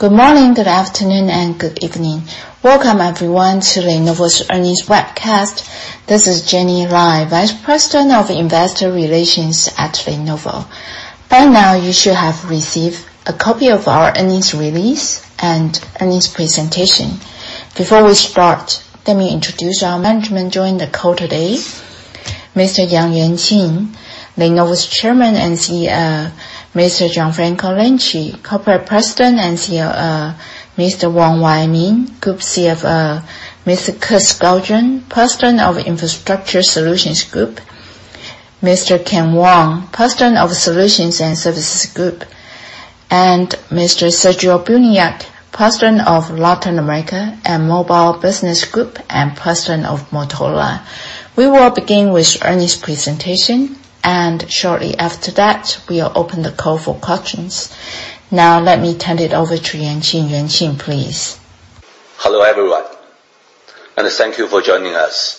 Good morning, good afternoon, and good evening. Welcome, everyone, to Lenovo's earnings webcast. This is Jenny Lai, Vice President of Investor Relations at Lenovo. By now, you should have received a copy of our earnings release and earnings presentation. Before we start, let me introduce our management joining the call today. Mr. Yang Yuanqing, Lenovo's Chairman and CEO. Mr. Gianfranco Lanci, Corporate President and COO. Mr. Wong Wai Ming, Group CFO. Mr. Kirk Skaugen, President of Infrastructure Solutions Group. Mr. Ken Wong, President of Solutions and Services Group. Mr. Sergio Buniac, President of Latin America and Mobile Business Group, and President of Motorola. We will begin with earnings presentation, and shortly after that, we'll open the call for questions. Now, let me turn it over to Yuanqing. Yuanqing, please. Hello, everyone, and thank you for joining us.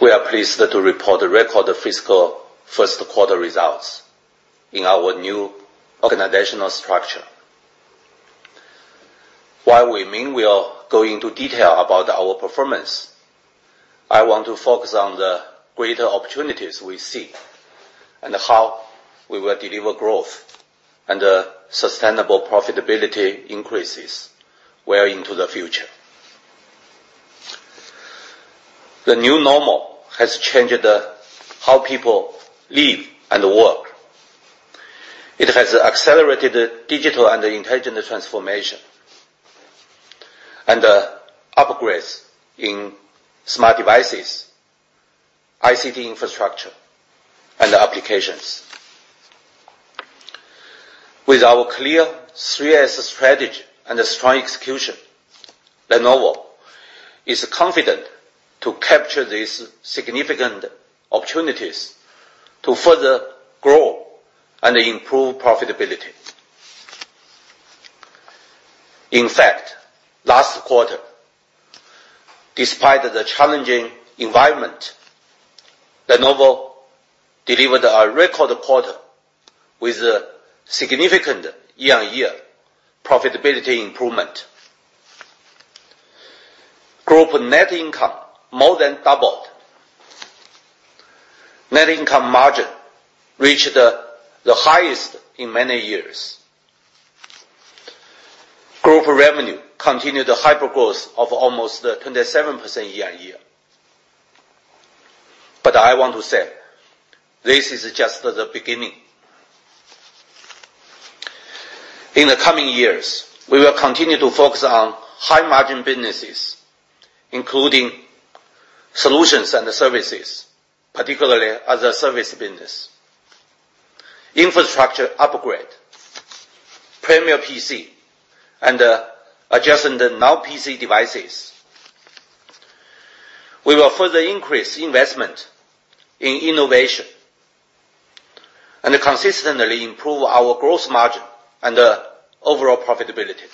We are pleased to report a record fiscal first quarter results in our new organizational structure. While Wai Ming will go into detail about our performance, I want to focus on the greater opportunities we see and how we will deliver growth and sustainable profitability increases well into the future. The new normal has changed how people live and work. It has accelerated digital and intelligent transformation, and upgrades in smart devices, ICT infrastructure, and applications. With our clear 3S strategy and strong execution, Lenovo is confident to capture these significant opportunities to further grow and improve profitability. In fact, last quarter, despite the challenging environment, Lenovo delivered a record quarter with a significant year-on-year profitability improvement. Group net income more than doubled. Net income margin reached the highest in many years. Group revenue continued a hyper-growth of almost 27% year-on-year. I want to say, this is just the beginning. In the coming years, we will continue to focus on high-margin businesses, including solutions and services, particularly as-a-service business, infrastructure upgrade, premier PC, and adjacent non-PC devices. We will further increase investment in innovation and consistently improve our growth margin and overall profitability.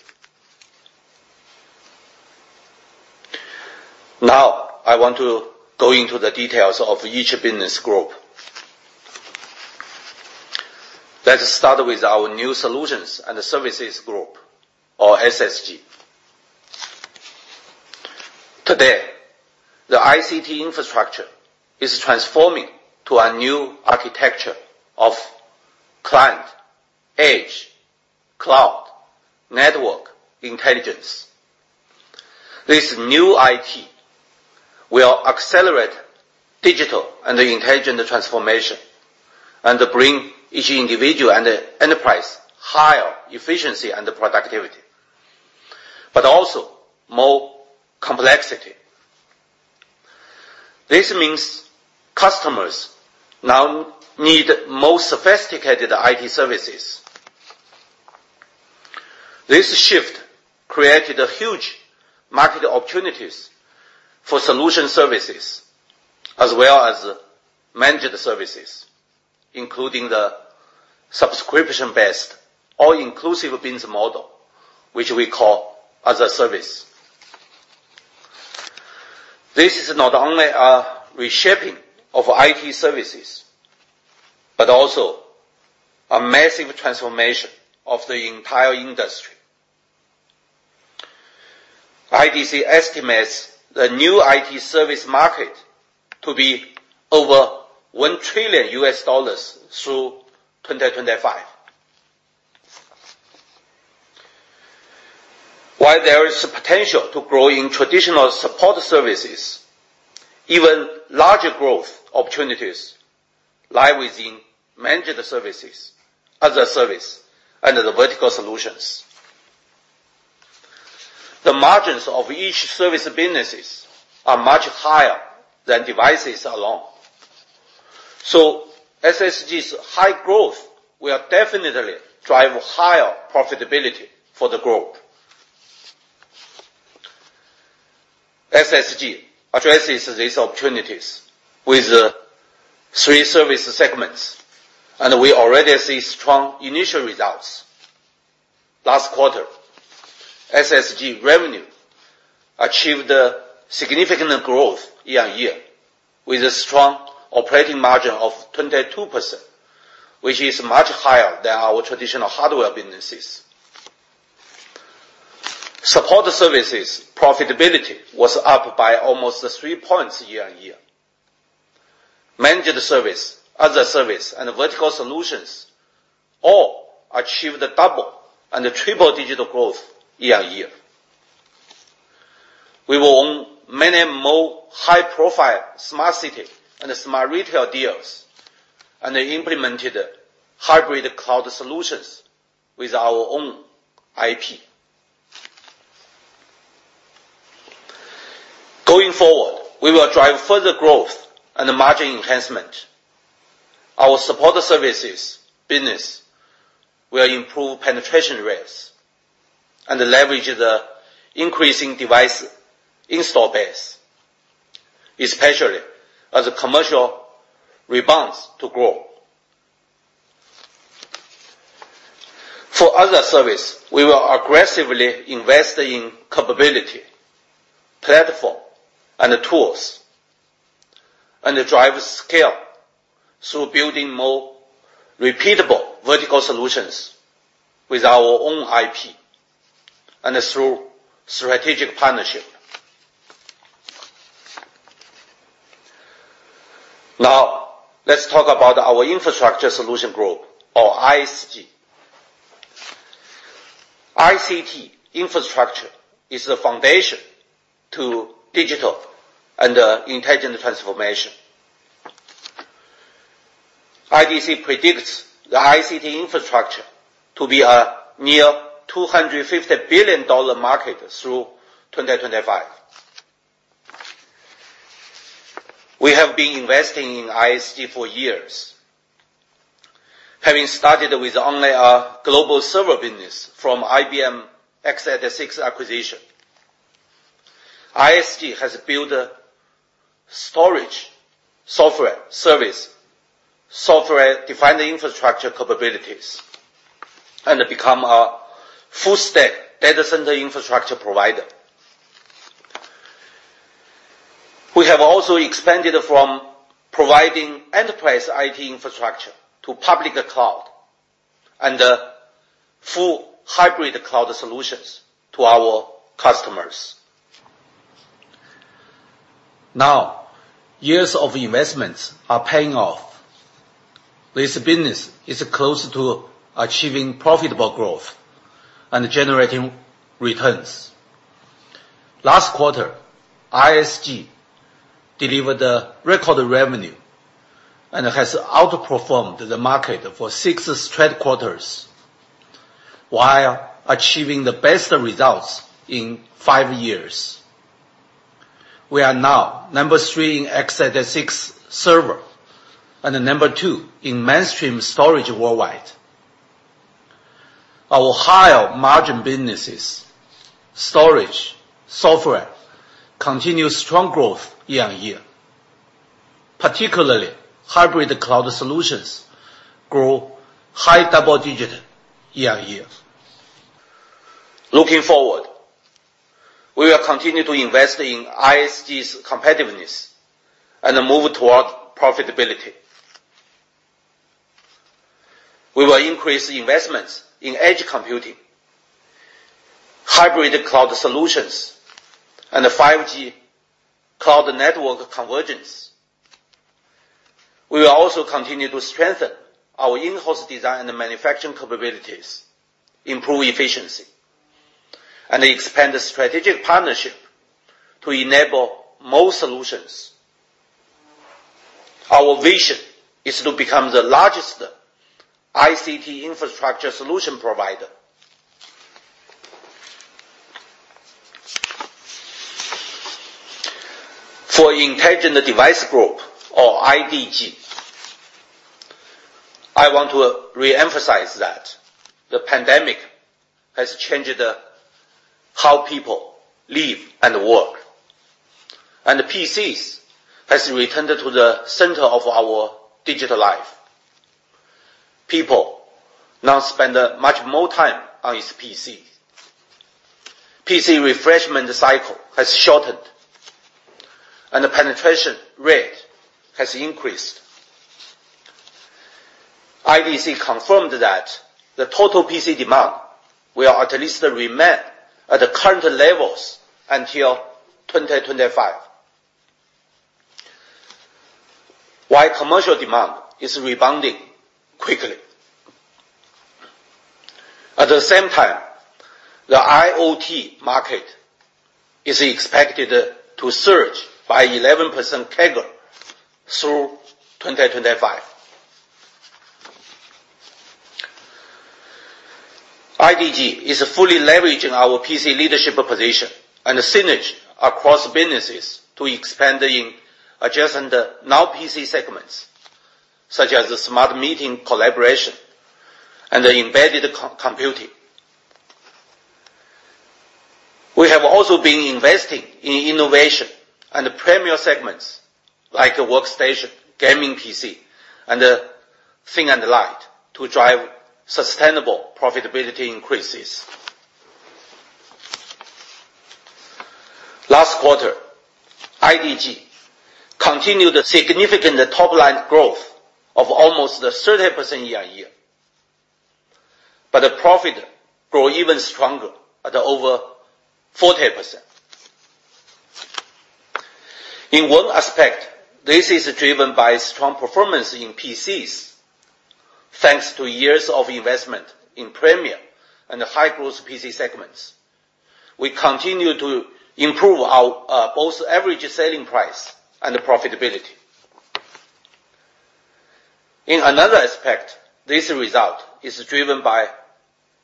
I want to go into the details of each business group. Let's start with our new Solutions and Services Group, or SSG. Today, the ICT infrastructure is transforming to a new architecture of client, edge, cloud, network intelligence. This new IT will accelerate digital and intelligent transformation, bring each individual and enterprise higher efficiency and productivity, but also more complexity. This means customers now need more sophisticated IT services. This shift created huge market opportunities for solution services, as well as managed services, including the subscription-based, all-inclusive business model, which we call as-a-service. This is not only a reshaping of IT services, but also a massive transformation of the entire industry. IDC estimates the new IT service market to be over $1 trillion through 2025. While there is potential to grow in traditional support services, even larger growth opportunities lie within managed services, as-a-service, and the vertical solutions. The margins of each service businesses are much higher than devices alone. SSG's high growth will definitely drive higher profitability for the group. SSG addresses these opportunities with three service segments, we already see strong initial results. Last quarter SSG revenue achieved a significant growth year-on-year, with a strong operating margin of 22%, which is much higher than our traditional hardware businesses. Support services profitability was up by almost three points year-on-year. Managed service, other service, and vertical solutions all achieved double- and triple-digit growth year-on-year. We won many more high-profile smart city and smart retail deals, and implemented hybrid cloud solutions with our own IP. Going forward, we will drive further growth and margin enhancement. Our support services business will improve penetration rates and leverage the increasing device install base, especially as commercial rebounds to grow. For other service, we will aggressively invest in capability, platform, and tools, and drive scale through building more repeatable vertical solutions with our own IP, and through strategic partnership. Let's talk about our Infrastructure Solutions Group, or ISG. ICT infrastructure is the foundation to digital and intelligent transformation. IDC predicts the ICT infrastructure to be a near $250 billion market through 2025. We have been investing in ISG for years. Having started with only our global server business from IBM x86 acquisition, ISG has built storage, software service, software-defined infrastructure capabilities, and become a full-stack data center infrastructure provider. We have also expanded from providing enterprise IT infrastructure to public cloud, and full hybrid cloud solutions to our customers. Years of investments are paying off. This business is close to achieving profitable growth and generating returns. Last quarter, ISG delivered a record revenue, and has outperformed the market for six straight quarters, while achieving the best results in five years. We are now number three in x86 server, and number two in mainstream storage worldwide. Our higher-margin businesses, storage, software, continue strong growth year-on-year. Particularly hybrid cloud solutions grow high double digits year-on-year. Looking forward, we will continue to invest in ISG's competitiveness and move toward profitability. We will increase investments in edge computing, hybrid cloud solutions, and 5G cloud network convergence. We will also continue to strengthen our in-house design and manufacturing capabilities, improve efficiency, and expand the strategic partnership to enable more solutions. Our vision is to become the largest ICT infrastructure solution provider. For Intelligent Devices Group, or IDG, I want to re-emphasize that the pandemic has changed how people live and work, and PCs has returned to the center of our digital life. People now spend much more time on his PC. PC refreshment cycle has shortened, and the penetration rate has increased. IDC confirmed that the total PC demand will at least remain at the current levels until 2025, while commercial demand is rebounding quickly. At the same time, the IoT market is expected to surge by 11% CAGR through 2025. IDG is fully leveraging our PC leadership position and synergy across businesses to expand in adjacent non-PC segments, such as smart meeting collaboration and embedded computing. We have also been investing in innovation and the premier segments, like workstation, gaming PC, and thin and light to drive sustainable profitability increases. Last quarter, IDG continued the significant top-line growth of almost 30% year-on-year. The profit grew even stronger at over 40%. In one aspect, this is driven by strong performance in PCs, thanks to years of investment in premier and high-growth PC segments. We continue to improve our both average selling price and profitability. In another aspect, this result is driven by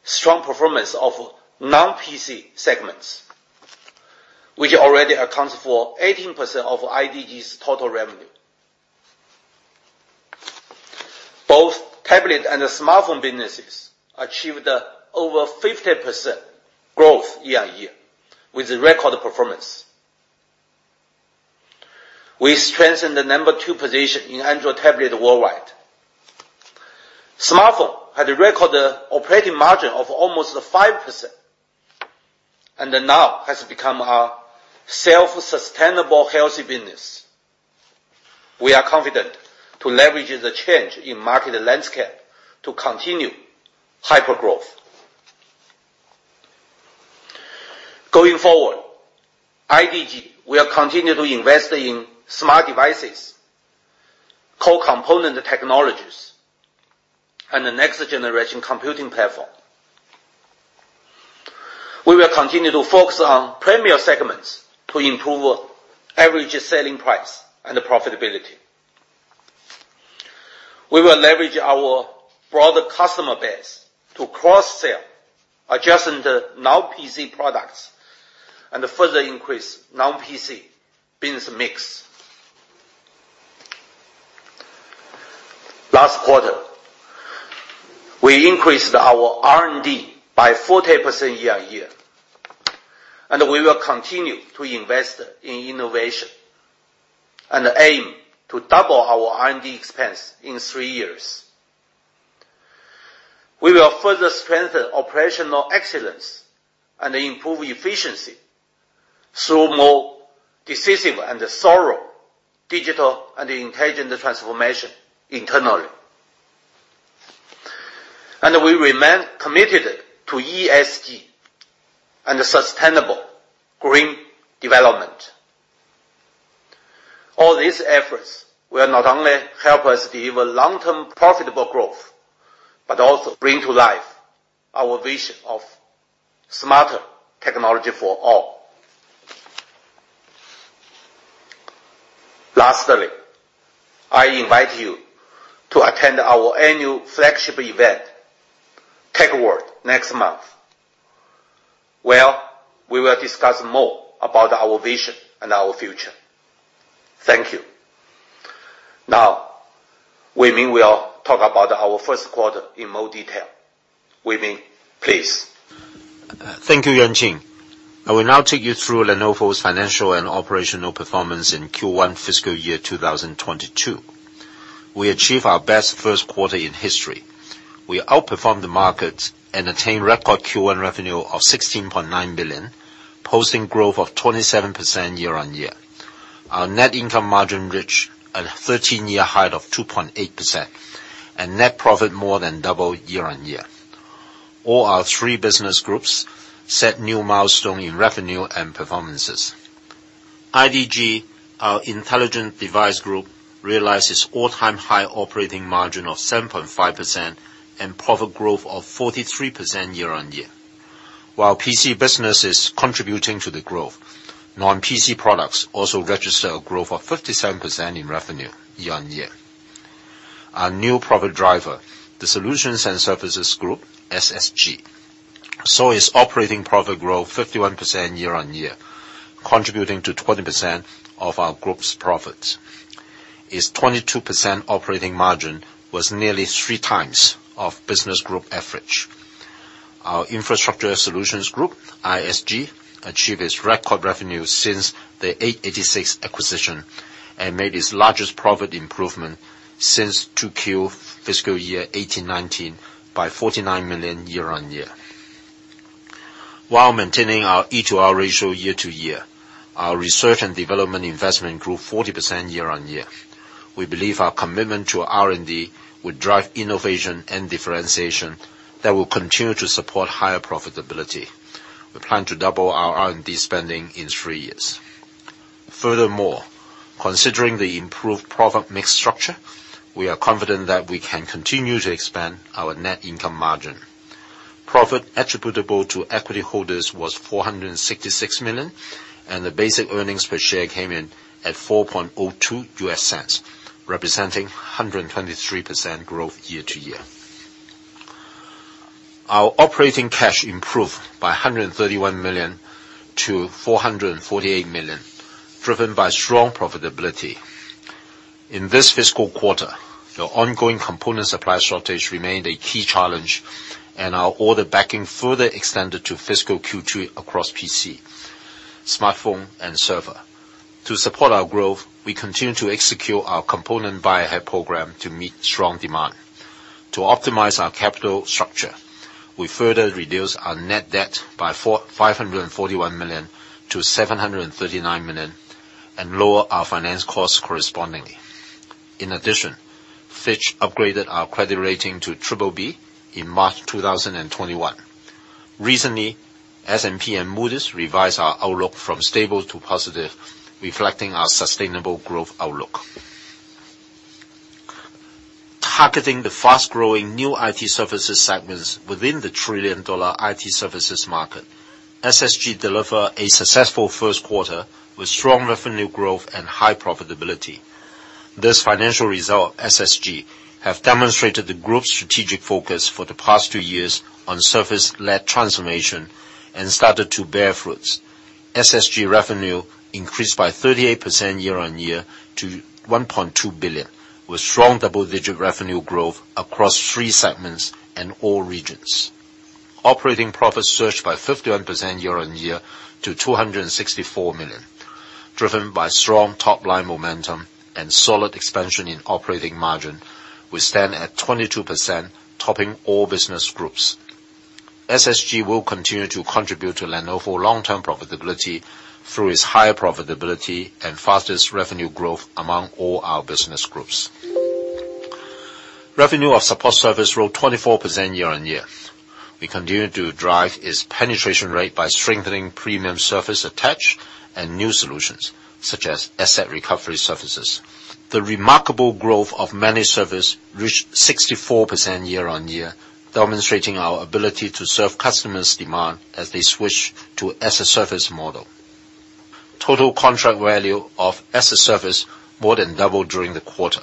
strong performance of non-PC segments, which already accounts for 18% of IDG's total revenue. Both tablet and smartphone businesses achieved over 50% growth year-on-year with record performance. We strengthened the number two position in Android tablet worldwide. Smartphone had a record operating margin of almost 5%, and now has become a self-sustainable, healthy business. We are confident to leverage the change in market landscape to continue hyper-growth. Going forward, IDG will continue to invest in smart devices, co-component technologies, and the next generation computing platform. We will continue to focus on premier segments to improve average selling price and profitability. We will leverage our broader customer base to cross-sell adjacent non-PC products and further increase non-PC business mix. Last quarter, we increased our R&D by 40% year-on-year. We will continue to invest in innovation and aim to double our R&D expense in three years. We will further strengthen operational excellence and improve efficiency through more decisive and thorough digital and intelligent transformation internally. We remain committed to ESG and sustainable green development. All these efforts will not only help us deliver long-term profitable growth, but also bring to life our vision of smarter technology for all. Lastly, I invite you to attend our annual flagship event, Tech World, next month, where we will discuss more about our vision and our future. Thank you. Now, Wai Ming will talk about our first quarter in more detail. Wai Ming, please. Thank you, Yuanqing. I will now take you through Lenovo's financial and operational performance in Q1 fiscal year 2022. We achieved our best first quarter in history. We outperformed the market and attained record Q1 revenue of $16.9 billion, posting growth of 27% year-on-year. Our net income margin reached a 13-year high of 2.8%, and net profit more than doubled year-on-year. All our three business groups set new milestones in revenue and performances. IDG, our Intelligent Devices Group, realized its all-time high operating margin of 7.5% and profit growth of 43% year-on-year. While PC business is contributing to the growth, non-PC products also registered a growth of 57% in revenue year-on-year. Our new profit driver, the Solutions and Services Group, SSG, saw its operating profit grow 51% year-on-year, contributing to 20% of our group's profits. Its 22% operating margin was nearly three times of business group average. Our Infrastructure Solutions Group, ISG, achieved its record revenue since the x86 acquisition and made its largest profit improvement since 2Q fiscal year 2018/2019 by $49 million year-on-year. While maintaining our E-to-R ratio year-to-year, our research and development investment grew 40% year-on-year. We believe our commitment to R&D would drive innovation and differentiation that will continue to support higher profitability. We plan to double our R&D spending in three years. Furthermore, considering the improved profit mix structure, we are confident that we can continue to expand our net income margin. Profit attributable to equity holders was $466 million, and the basic earnings per share came in at $0.0402, representing 123% growth year-to-year. Our operating cash improved by $131 million to $448 million, driven by strong profitability. In this fiscal quarter, the ongoing component supply shortage remained a key challenge, and our order backing further extended to fiscal Q2 across PC, smartphone, and server. To support our growth, we continue to execute our component buyer program to meet strong demand. To optimize our capital structure, we further reduced our net debt by $541 million to $739 million and lower our finance costs correspondingly. In addition, Fitch upgraded our credit rating to BBB in March 2021. Recently, S&P and Moody's revised our outlook from stable to positive, reflecting our sustainable growth outlook. Targeting the fast-growing new IT services segments within the trillion-dollar IT services market, SSG deliver a successful first quarter with strong revenue growth and high profitability. This financial result, SSG, have demonstrated the group's strategic focus for the past two years on service-led transformation and started to bear fruits. SSG revenue increased by 38% year-on-year to $1.2 billion, with strong double-digit revenue growth across three segments and all regions. Operating profits surged by 51% year-on-year to $264 million, driven by strong top-line momentum and solid expansion in operating margin, which stand at 22%, topping all business groups. SSG will continue to contribute to Lenovo long-term profitability through its higher profitability and fastest revenue growth among all our business groups. Revenue of support service grew 24% year-on-year. We continue to drive its penetration rate by strengthening premium service attach and new solutions such as asset recovery services. The remarkable growth of managed service reached 64% year-on-year, demonstrating our ability to serve customers' demand as they switch to as-a-service model. Total contract value of as-a-service more than doubled during the quarter.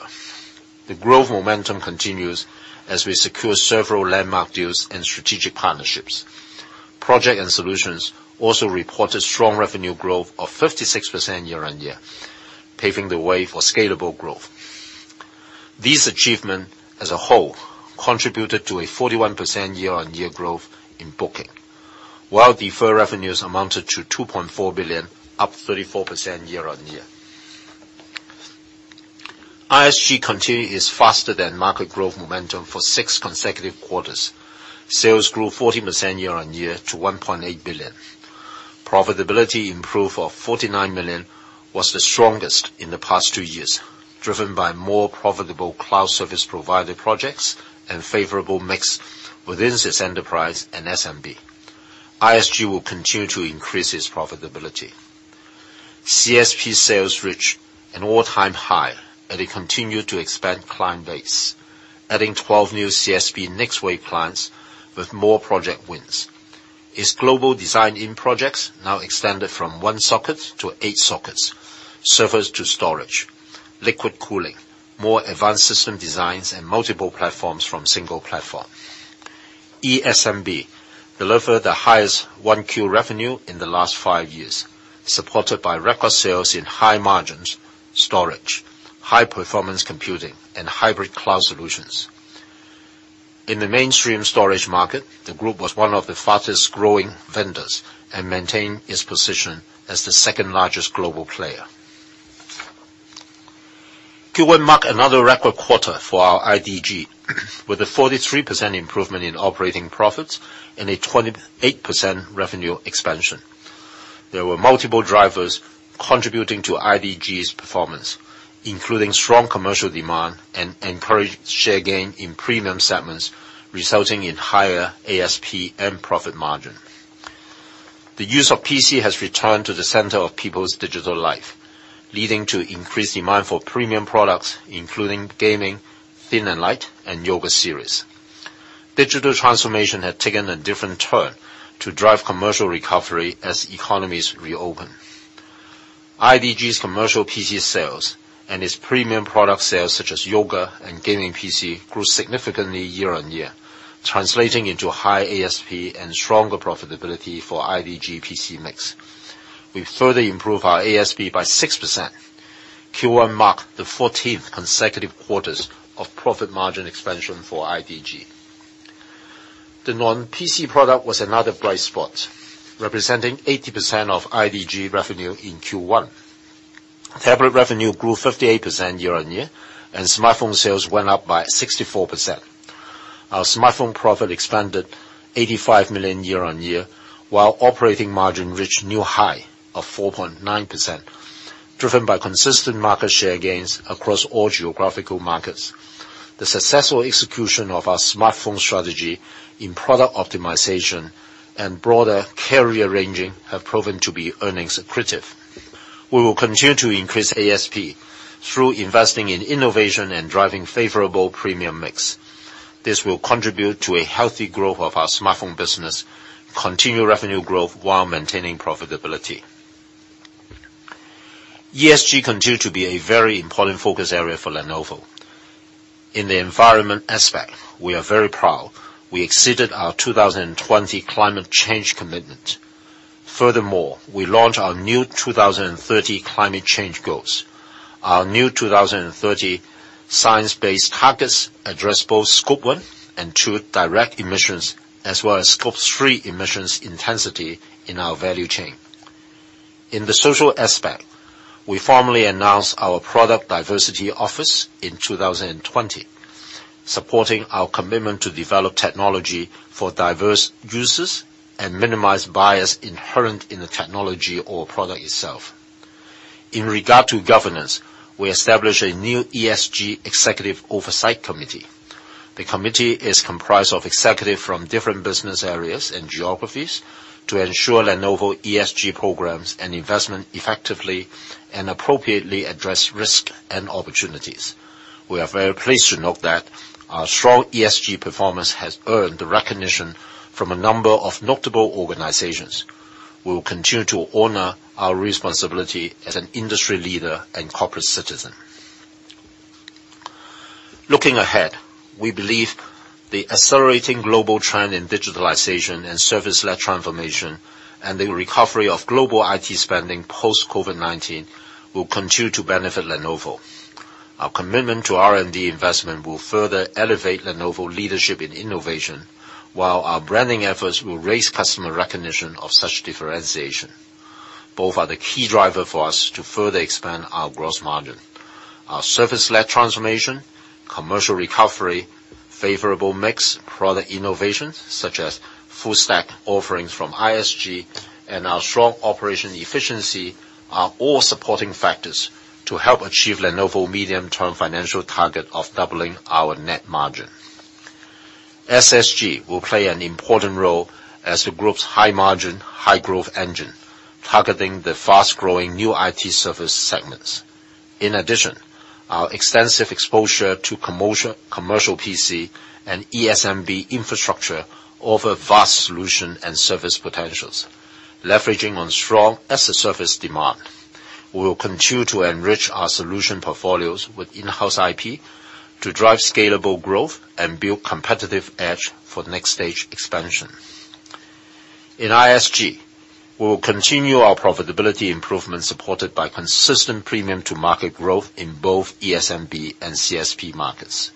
The growth momentum continues as we secure several landmark deals and strategic partnerships. Project and solutions also reported strong revenue growth of 56% year-on-year, paving the way for scalable growth. These achievement as a whole contributed to a 41% year-on-year growth in booking, while deferred revenues amounted to $2.4 billion, up 34% year-on-year. ISG continue its faster-than-market growth momentum for six consecutive quarters. Sales grew 40% year-on-year to $1.8 billion. Profitability improved of $49 million was the strongest in the past two years, driven by more profitable cloud service provider projects and favorable mix within this enterprise and SMB. ISG will continue to increase its profitability. CSP sales reached an all-time high, and it continued to expand client base, adding 12 new CSP NextWave clients with more project wins. Its global design-in projects now extended from one socket to eight sockets, servers to storage, liquid cooling, more advanced system designs, and multiple platforms from single platform. ESMB delivered the highest 1Q revenue in the last five years, supported by record sales in high margins, storage, high-performance computing, and hybrid cloud solutions. In the mainstream storage market, the group was one of the fastest-growing vendors and maintained its position as the second-largest global player. Q1 marked another record quarter for our IDG with a 43% improvement in operating profits and a 28% revenue expansion. There were multiple drivers contributing to IDG's performance, including strong commercial demand and encouraged share gain in premium segments, resulting in higher ASP and profit margin. The use of PC has returned to the center of people's digital life, leading to increased demand for premium products, including gaming, thin and light, and Yoga series. Digital transformation has taken a different turn to drive commercial recovery as economies reopen. IDG's commercial PC sales and its premium product sales, such as Yoga and gaming PC, grew significantly year-on-year, translating into high ASP and stronger profitability for IDG PC mix. We further improve our ASP by 6%. Q1 marked the 14th consecutive quarters of profit margin expansion for IDG. The non-PC product was another bright spot, representing 80% of IDG revenue in Q1. Tablet revenue grew 58% year-on-year, and smartphone sales went up by 64%. Our smartphone profit expanded $85 million year-on-year, while operating margin reached new high of 4.9%, driven by consistent market share gains across all geographical markets. The successful execution of our smartphone strategy in product optimization and broader carrier ranging have proven to be earnings accretive. We will continue to increase ASP through investing in innovation and driving favorable premium mix. This will contribute to a healthy growth of our smartphone business, continue revenue growth while maintaining profitability. ESG continue to be a very important focus area for Lenovo. In the environment aspect, we are very proud. We exceeded our 2020 climate change commitment. Furthermore, we launched our new 2030 climate change goals. Our new 2030 science-based targets address both scope one and two direct emissions, as well as scope three emissions intensity in our value chain. In the social aspect, we formally announced our product diversity office in 2020, supporting our commitment to develop technology for diverse users and minimize bias inherent in the technology or product itself. In regard to governance, we established a new ESG executive oversight committee. The committee is comprised of executive from different business areas and geographies to ensure Lenovo ESG programs and investment effectively and appropriately address risk and opportunities. We are very pleased to note that our strong ESG performance has earned the recognition from a number of notable organizations. We will continue to honor our responsibility as an industry leader and corporate citizen. Looking ahead, we believe the accelerating global trend in digitalization and service-led transformation and the recovery of global IT spending post-COVID-19 will continue to benefit Lenovo. Our commitment to R&D investment will further elevate Lenovo leadership in innovation, while our branding efforts will raise customer recognition of such differentiation. Both are the key driver for us to further expand our gross margin. Our service-led transformation, commercial recovery, favorable mix product innovations such as full stack offerings from ISG, and our strong operation efficiency are all supporting factors to help achieve Lenovo medium-term financial target of doubling our net margin. SSG will play an important role as the group's high margin, high growth engine, targeting the fast-growing new IT service segments. In addition, our extensive exposure to commercial PC and ESMB infrastructure offer vast solution and service potentials, leveraging on strong as-a-service demand. We will continue to enrich our solution portfolios with in-house IP to drive scalable growth and build competitive edge for the next stage expansion. In ISG, we will continue our profitability improvement supported by consistent premium to market growth in both ESMB and CSP markets.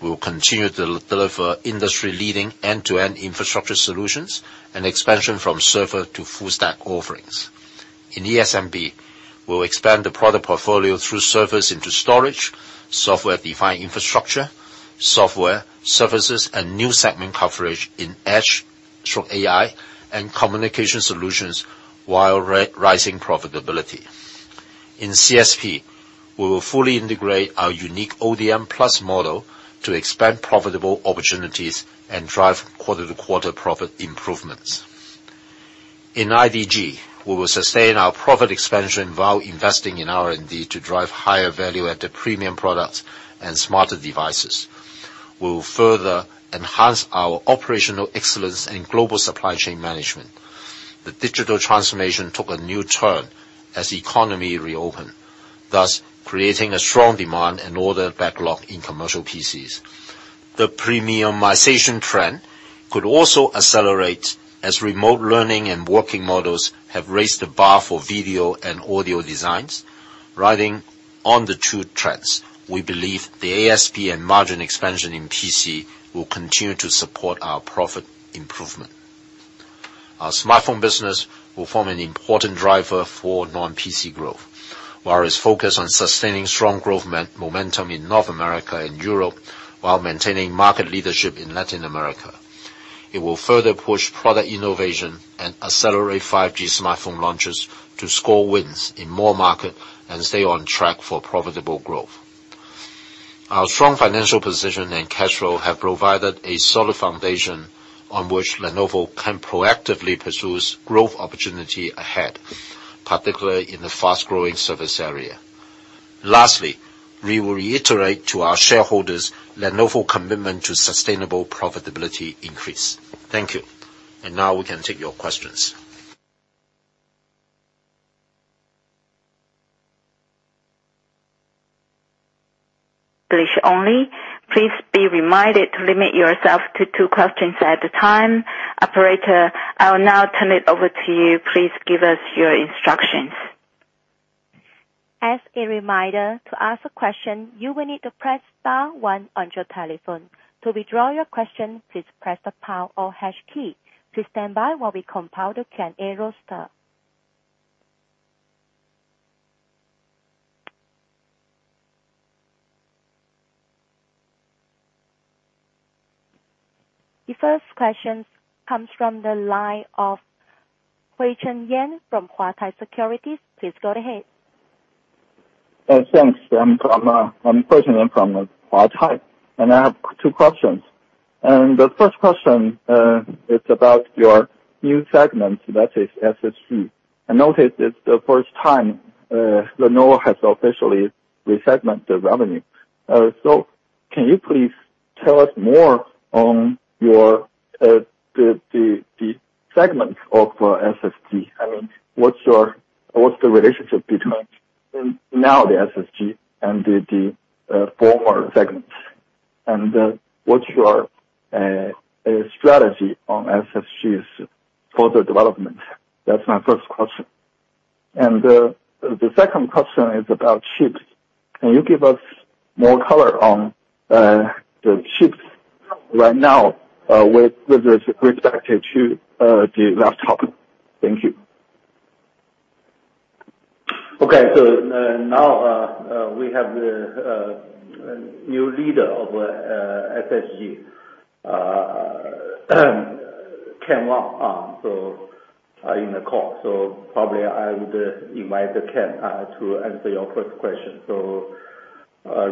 We will continue to deliver industry-leading end-to-end infrastructure solutions and expansion from server to full stack offerings. In ESMB, we'll expand the product portfolio through servers into storage, software-defined infrastructure, software, services, and new segment coverage in edge, strong AI, and communication solutions, while rising profitability. In CSP, we will fully integrate our unique ODM+ model to expand profitable opportunities and drive quarter-to-quarter profit improvements. In IDG, we will sustain our profit expansion while investing in R&D to drive higher value at the premium products and smarter devices. We will further enhance our operational excellence in global supply chain management. The digital transformation took a new turn as the economy reopened, thus creating a strong demand and order backlog in commercial PCs. The premiumization trend could also accelerate as remote learning and working models have raised the bar for video and audio designs. Riding on the two trends, we believe the ASP and margin expansion in PC will continue to support our profit improvement. Our smartphone business will form an important driver for non-PC growth, while it's focused on sustaining strong growth momentum in North America and Europe, while maintaining market leadership in Latin America. It will further push product innovation and accelerate 5G smartphone launches to score wins in more market and stay on track for profitable growth. Our strong financial position and cash flow have provided a solid foundation on which Lenovo can proactively pursue growth opportunity ahead, particularly in the fast-growing service area. Lastly, we will reiterate to our shareholders Lenovo commitment to sustainable profitability increase. Thank you. Now we can take your questions. English only. Please be reminded to limit yourself to two questions at a time. Operator, I will now turn it over to you. Please give us your instructions. Please stand by while we compile the Q&A roster. The first question comes from the line of Huichen Yen from Huatai Securities. Please go ahead. Thanks. I'm Huichen Yen from Huatai, I have two questions. The first question is about your new segment, that is SSG. I noticed it's the first time Lenovo has officially resegmented the revenue. Can you please tell us more on the segment of SSG? I mean, what's the relationship between now the SSG and the former segments? What's your strategy on SSG's further development? That's my first question. The second question is about chips. Can you give us more color on the chips right now with respect to the laptop? Thank you. Okay. Now we have the new leader of SSG, Ken Wong, on in the call. Probably I would invite Ken to answer your first question.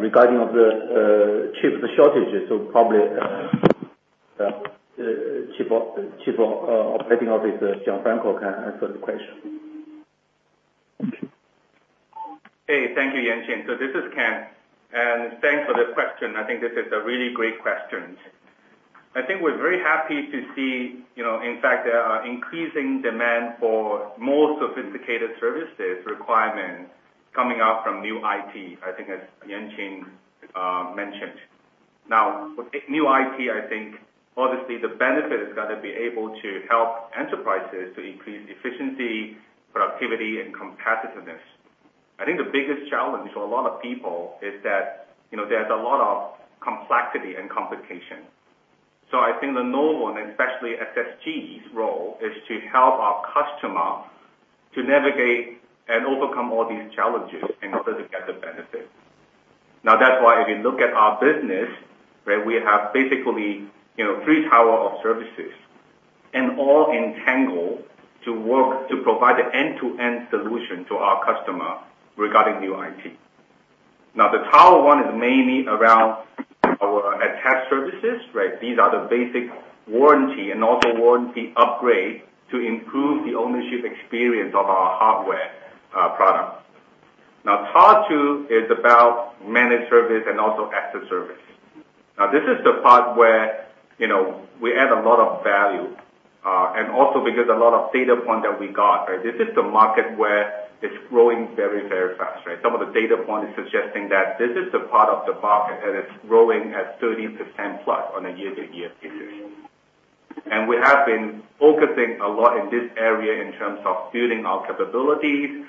Regarding the chip shortages, so probably the Chief Operating Officer, Gianfranco, can answer the question. Thank you, Yuanqing. This is Ken, and thanks for the question. I think this is a really great question. I think we're very happy to see, in fact, there are increasing demand for more sophisticated services requirements coming out from new IT, I think as Yuanqing mentioned. With new IT, I think obviously the benefit has got to be able to help enterprises to increase efficiency, productivity, and competitiveness. I think the biggest challenge for a lot of people is that there's a lot of complexity and complication. I think the normal one, especially SSG's role, is to help our customer to navigate and overcome all these challenges in order to get the benefit. That's why if you look at our business, where we have basically three tower of services, and all entangled to work to provide the end-to-end solution to our customer regarding new IT. The tower one is mainly around our attached services. These are the basic warranty and also warranty upgrade to improve the ownership experience of our hardware products. Tower two is about managed service and also after service. This is the part where we add a lot of value, and also because a lot of data point that we got. This is the market where it's growing very, very fast. Some of the data point is suggesting that this is the part of the market that is growing at 30%+ on a year-to-year basis. We have been focusing a lot in this area in terms of building our capabilities,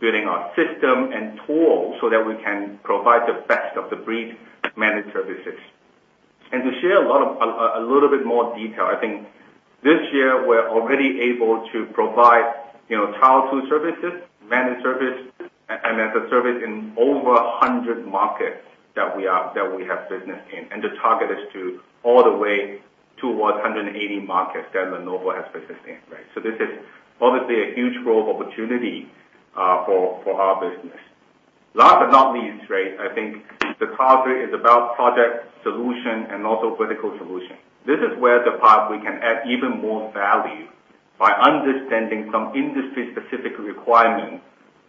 building our system and tools so that we can provide the best of the breed managed services. To share a little bit more detail, I think this year we're already able to provide tier two services, managed services, and after service in over 100 markets that we have business in. The target is to all the way towards 180 markets that Lenovo has business in. This is obviously a huge growth opportunity for our business. Last but not least, I think the tier three is about project solution and also vertical solution. This is where the part we can add even more value by understanding some industry specific requirement,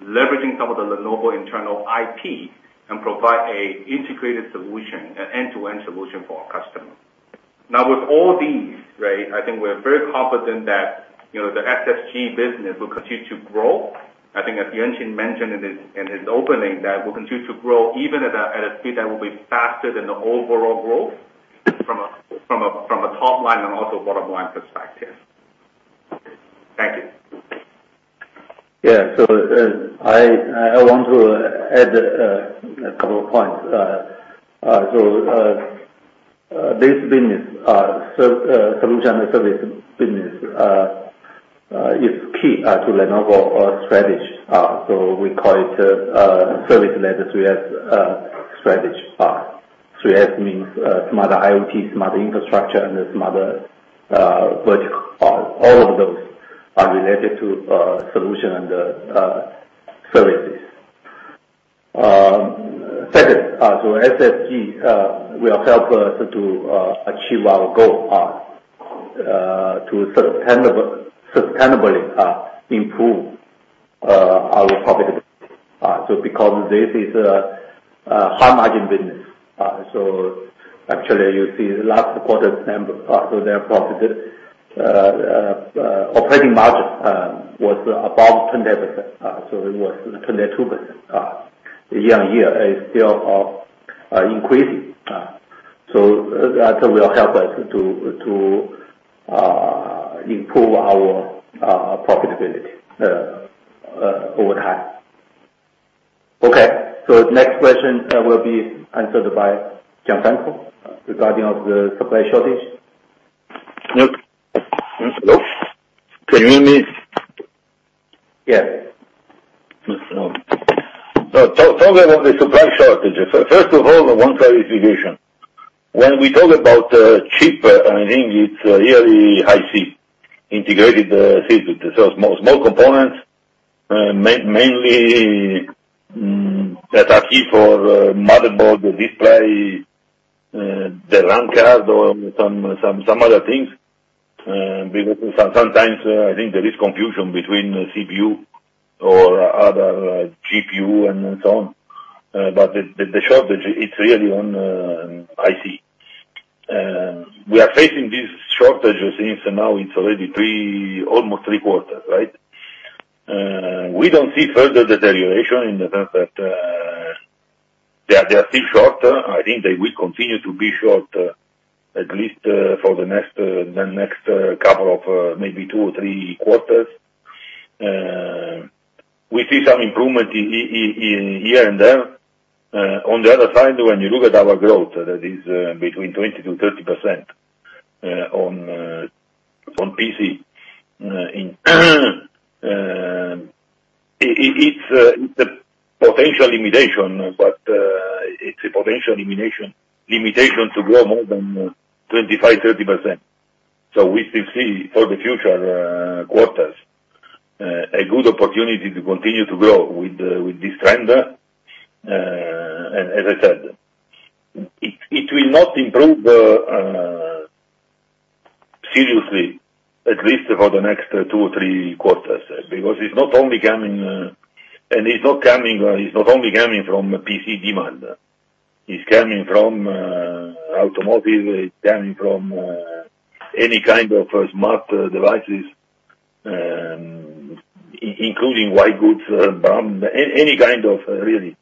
leveraging some of the Lenovo internal IP, and provide an integrated solution, an end-to-end solution for our customer. With all these, I think we're very confident that the SSG business will continue to grow. I think as Yuanqing mentioned in his opening, that we'll continue to grow even at a speed that will be faster than the overall growth from a top line and also bottom line perspective. Thank you. Yeah. I want to add a couple of points. This business, solution and service business, is key to Lenovo strategy. We call it service-led 3S strategy. 3S means smarter IoT, smarter infrastructure, and Smart Verticals. All of those are related to solution and services. Second, SSG will help us to achieve our goal to sustainably improve our profitability. Because this is a high margin business. Actually, you see the last quarter's numbers. Their operating margin was above 20%. It was 22% year-on-year, and still increasing. That will help us to improve our profitability over time. Okay. Next question will be answered by Gianfranco regarding the supply shortage. Hello? Can you hear me? Yes. Talking of the supply shortages. First of all, one clarification. When we talk about chip, I think it's really IC, integrated circuit. Small components, mainly that are key for motherboard, the display, the RAM card, or some other things. Because sometimes I think there is confusion between CPU or other GPU and so on. The shortage, it's really on IC. We are facing these shortages since now it's already almost three quarters, right? We don't see further deterioration in the sense that they are still short. I think they will continue to be short at least for the next couple of maybe two or three quarters. We see some improvement here and there. On the other side, when you look at our growth, that is between 20%-30% on PC. It's a potential limitation, but it's a potential limitation to grow more than 25%, 30%. We still see for the future quarters, a good opportunity to continue to grow with this trend. As I said, it will not improve seriously, at least for the next two or three quarters. It's not only coming from PC demand. It's coming from automotive. It's coming from any kind of smart devices, including white goods, brown, any kind of really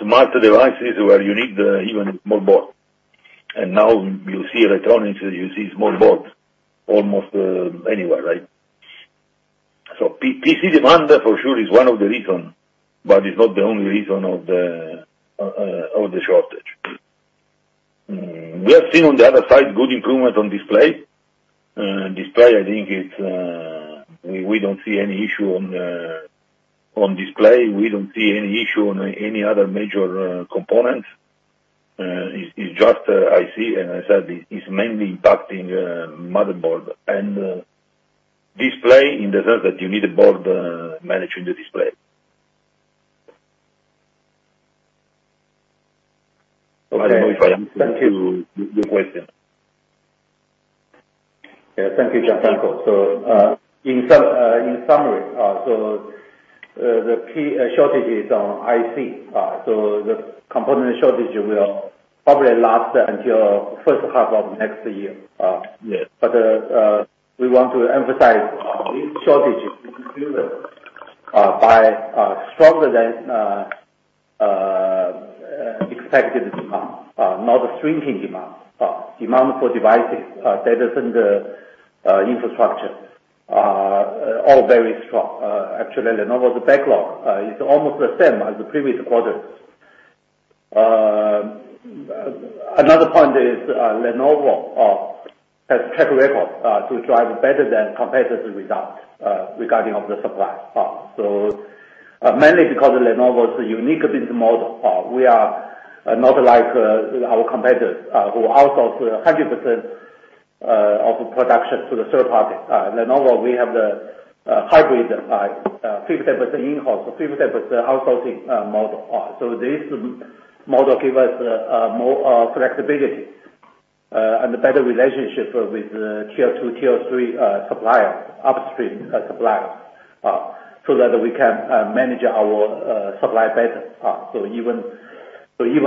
smart devices where you need even small board. Now you see electronics, you see small boards almost anywhere, right? PC demand for sure is one of the reason, but it's not the only reason of the shortage. We have seen on the other side good improvement on display. Display, I think we don't see any issue on display. We don't see any issue on any other major components. It's just IC, and as I said, it's mainly impacting motherboard and display in the sense that you need a board managing the display. Okay. I don't know if I answered your question. Yeah, thank you, Gianfranco. In summary, the key shortage is on IC, so the component shortage will probably last until first half of next year. Yes. We want to emphasize this shortage is driven by stronger than expected demand, not shrinking demand. Demand for devices better than the infrastructure, are all very strong. Actually, Lenovo's backlog is almost the same as the previous quarters. Another point is Lenovo has track record to drive better than competitors result regarding of the supply. Mainly because of Lenovo's unique business model. We are not like our competitors who outsource 100% of production to the third party. Lenovo, we have the hybrid, 50% in-house or 50% outsourcing model. This model give us more flexibility and a better relationship with tier two, tier three suppliers, upstream suppliers, so that we can manage our supply better. Even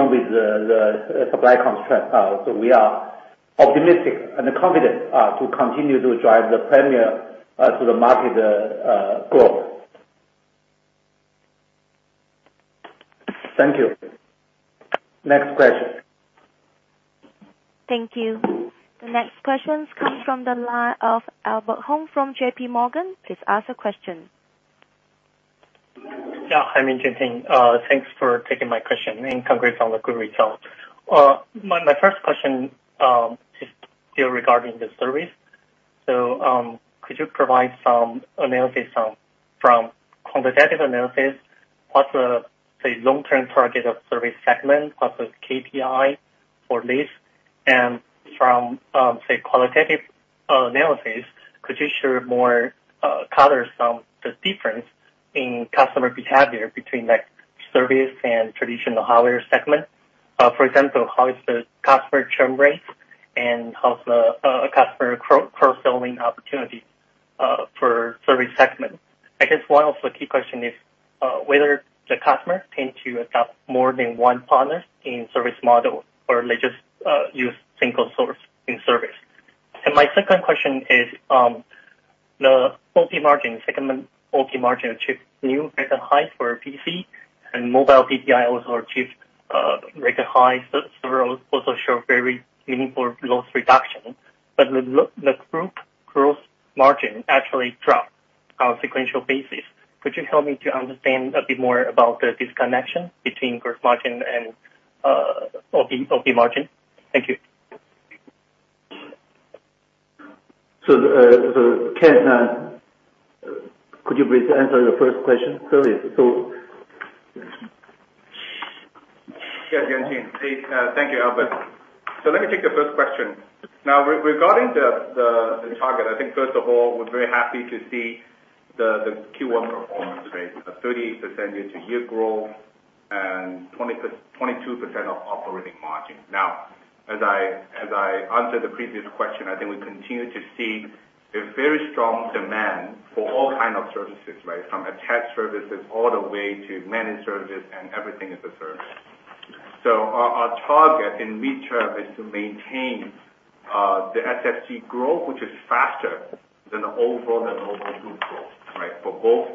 with the supply constraint, we are optimistic and confident to continue to drive the premier to the market growth. Thank you. Next question. Thank you. The next questions come from the line of Albert Hung from JPMorgan. Please ask the question. Hi, Yuanqing. Thanks for taking my question, and congrats on the good results. My first question is still regarding the service. Could you provide some analysis from quantitative analysis? What's the long-term target of service segment? What's the KPI for this? From qualitative analysis, could you share more colors on the difference in customer behavior between the service and traditional hardware segment? For example, how is the customer churn rate and how is the customer cross-selling opportunity for service segment? I guess one of the key question is whether the customer tend to adopt more than one partner in service model or they just use single source in service? My second question is the segment multi-margin achieved new record highs for PC and mobile PTI also achieved record highs. Several also show very meaningful loss reduction, but the group gross margin actually dropped on sequential basis. Could you help me to understand a bit more about the disconnection between gross margin and OP margin? Thank you. Ken, could you please answer the first question? [Service]. Yeah, Yuanqing. Thank you, Albert. Let me take the first question. Regarding the target, I think first of all, we're very happy to see the Q1 performance, right? The 30% year-over-year growth and 22% operating margin. As I answered the previous question, I think we continue to see A very strong demand for all kind of services, from attached services all the way to managed services and everything as a service. Our target in midterm is to maintain the SSG growth, which is faster than the overall Lenovo Group growth, for both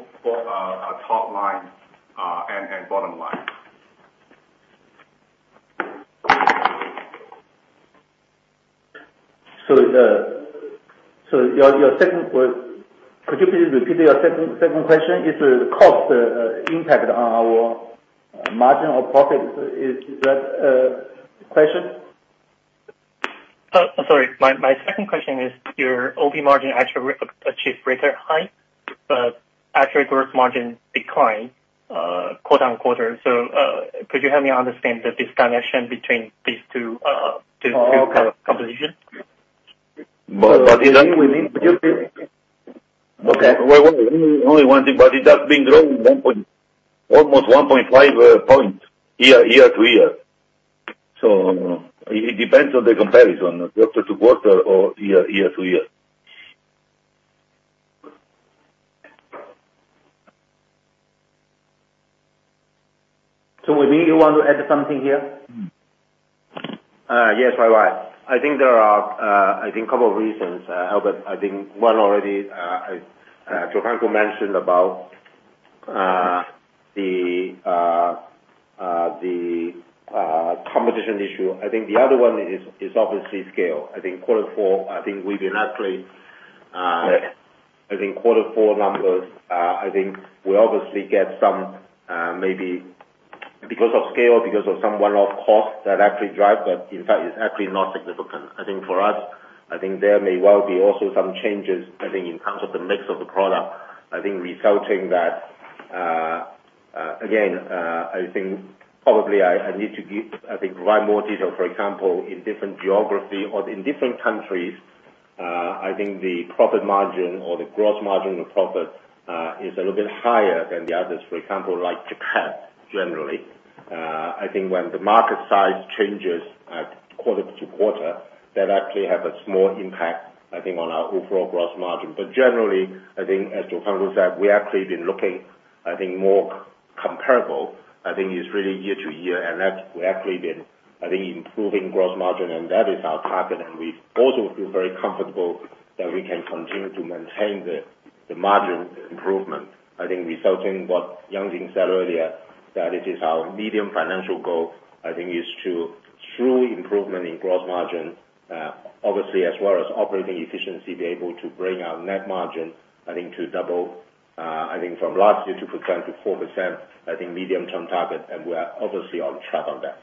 our top line and bottom line. Could you please repeat your second question, is the cost impact on our margin or profit? Is that the question? Sorry. My second question is your OP margin actually achieved greater height, actually gross margin declined quarter-on-quarter. Could you help me understand the disconnection between these two compositions? Okay. Only one thing, it has been growing almost 1.5 points year-to-year. It depends on the comparison, quarter-to-quarter or year-to-year. Wai Ming, you want to add something here? Yes, Yuanqing. I think there are a couple of reasons. Albert Hung, I think one already Gianfranco Lanci mentioned about the competition issue. I think the other one is obviously scale. I think quarter four numbers, we obviously get some, maybe because of scale, because of some one-off costs that actually drive that. In fact, it's actually not significant. I think for us, there may well be also some changes in terms of the mix of the product. I think resulting that, again, probably I need to give way more detail, for example, in different geography or in different countries. I think the profit margin or the gross margin of profit, is a little bit higher than the others, for example, like Japan generally. I think when the market size changes quarter to quarter, that actually has a small impact, I think, on our overall gross margin. Generally, I think as Gianfranco said, we actually have been looking, I think more comparable. I think it's really year to year. We actually been, I think, improving gross margin. That is our target. We also feel very comfortable that we can continue to maintain the margin improvement. I think resulting what Yuanqing said earlier, that it is our medium financial goal, I think is to through improvement in gross margin, obviously as well as operating efficiency, be able to bring our net margin, I think to double, I think from last year 2%-4%, I think medium-term target. We are obviously on track on that.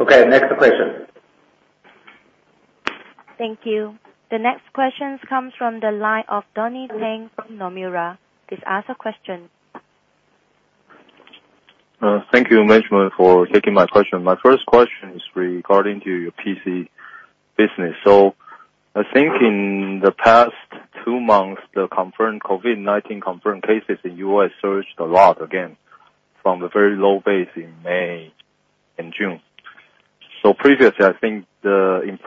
Okay, next question. Thank you. The next question comes from the line of Donnie Teng from Nomura. Please ask a question. Thank you, management, for taking my question. My first question is regarding to your PC business. I think in the past two months, the COVID-19 confirmed cases in the U.S. surged a lot again from the very low base in May and June. Previously, I think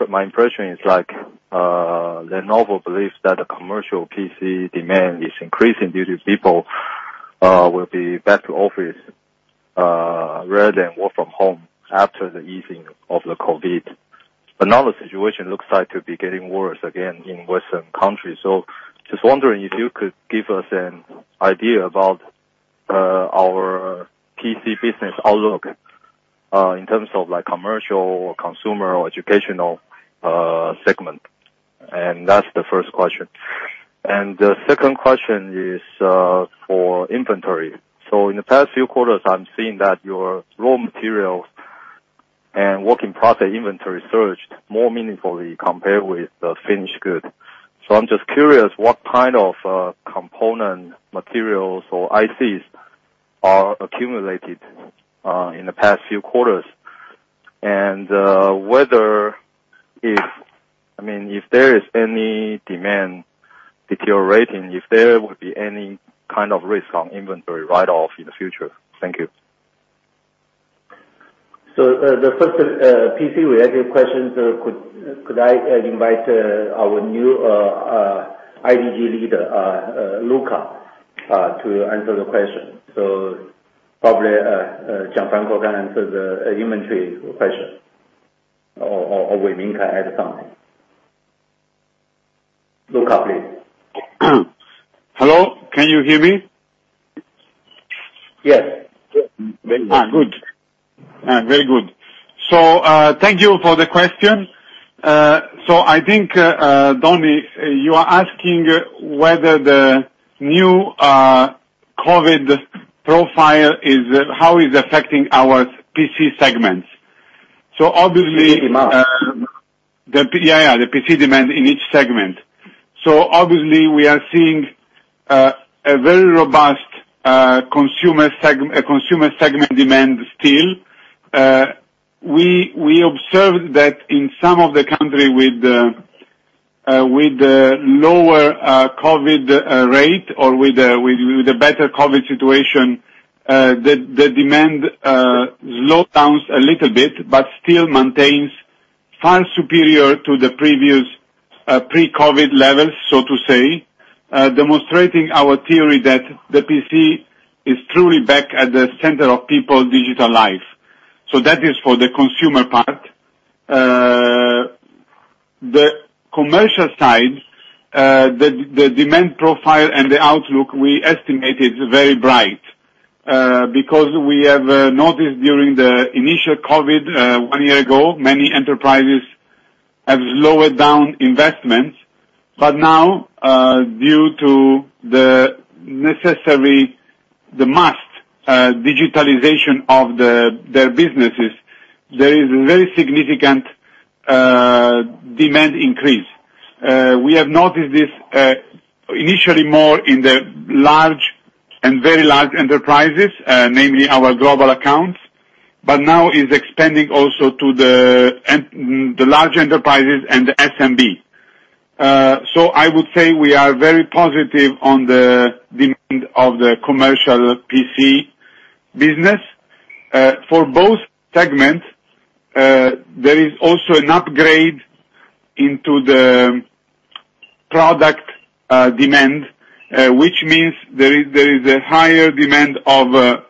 my impression is like Lenovo believes that the commercial PC demand is increasing due to people will be back to office rather than work from home after the easing of the COVID. Now the situation looks like to be getting worse again in Western countries. I'm just wondering if you could give us an idea about our PC business outlook, in terms of commercial or consumer or educational segment. That's the first question. The second question is for inventory. In the past few quarters, I'm seeing that your raw materials and work in process inventory surged more meaningfully compared with the finished good. I'm just curious what kind of component materials or ICs are accumulated in the past few quarters, and whether if there is any demand deteriorating, if there would be any kind of risk on inventory write-off in the future. Thank you. The first PC-related question, could I invite our new IDG leader, Luca, to answer the question? Probably Gianfranco can answer the inventory question, or Wai Ming can add something. Luca, please. Hello, can you hear me? Yes. Good. Very good. Thank you for the question. I think, Donnie, you are asking whether the new COVID profile, how is affecting our PC segments. The demand. Yeah, the PC demand in each segment. Obviously we are seeing a very robust consumer segment demand still. We observed that in some of the country with the-With the lower COVID-19 rate or with the better COVID-19 situation, the demand slows down a little bit, but still maintains far superior to the previous pre-COVID-19 levels, so to say, demonstrating our theory that the PC is truly back at the center of people's digital life. That is for the consumer part. The commercial side, the demand profile and the outlook, we estimate it's very bright. We have noticed during the initial COVID-19, one year ago, many enterprises have lowered down investments. Now, due to the necessary, the must digitalization of their businesses, there is a very significant demand increase. We have noticed this initially more in the large and very large enterprises, namely our global accounts, but now it's expanding also to the large enterprises and the SMB. I would say we are very positive on the demand of the commercial PC business. For both segments, there is also an upgrade into the product demand, which means there is a higher demand of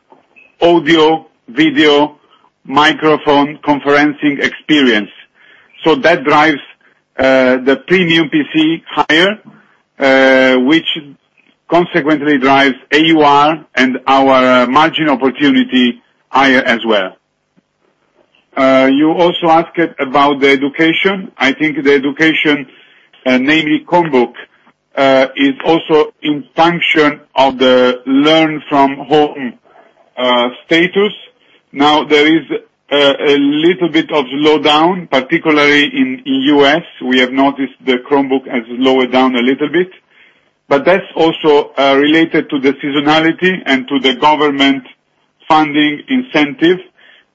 audio, video, microphone conferencing experience. That drives the premium PC higher, which consequently drives AUR and our margin opportunity higher as well. You also asked about the education. I think the education, namely Chromebook, is also in function of the learn-from-home status. There is a little bit of slowdown, particularly in U.S., we have noticed the Chromebook has lowered down a little bit. That's also related to the seasonality and to the government funding incentive,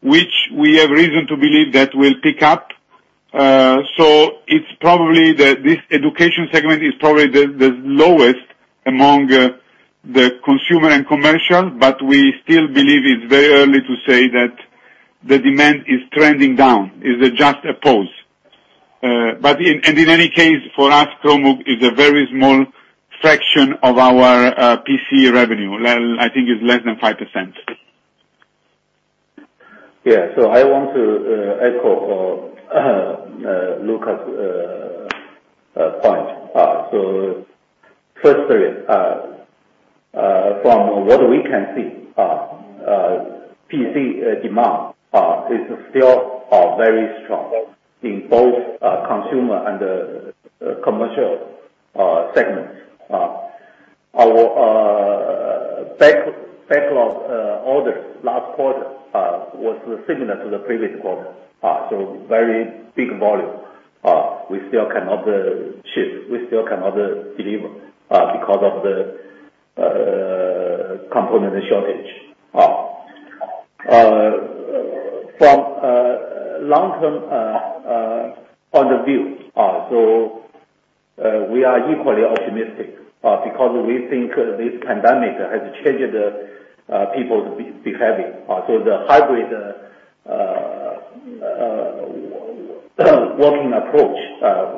which we have reason to believe that will pick up. This education segment is probably the lowest among the consumer and commercial, but we still believe it's very early to say that the demand is trending down. It's just a pause. In any case, for us, Chromebook is a very small fraction of our PC revenue. I think it's less than 5%. Yeah. I want to echo Luca's point. Firstly, from what we can see, PC demand is still very strong in both consumer and commercial segments. Our backlog orders last quarter was similar to the previous quarter. Very big volume. We still cannot ship, we still cannot deliver because of the component shortage. From long-term point of view, we are equally optimistic because we think this pandemic has changed people's behavior. The hybrid working approach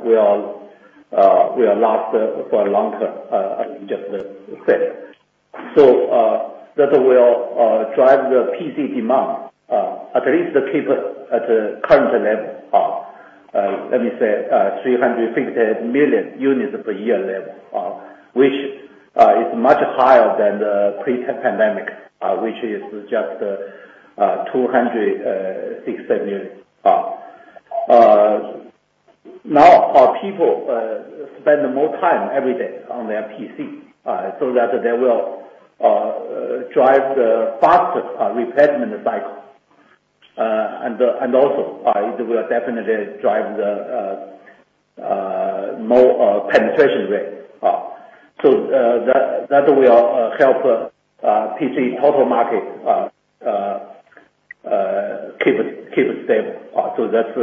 will last for longer, as you just said. That will drive the PC demand, at least keep it at the current level of, let me say, 350 million units per year level. Which is much higher than the pre-pandemic, which is just 260 million. Now, people spend more time every day on their PC, so that they will drive the faster replacement cycle. Also, it will definitely drive more penetration rate. That will help PC total market keep it stable. That's